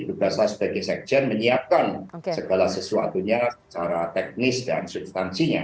tugas saya sebagai sekjen menyiapkan segala sesuatunya secara teknis dan substansinya